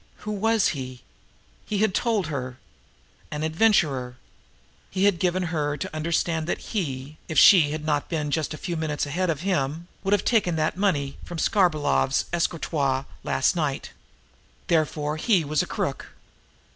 Who was he? He had told her. An adventurer. He had given her to understand that he, if she had not been just a few minutes ahead of him, would have taken that money from Skarbolov's escritoire last night. Therefore he was a crook.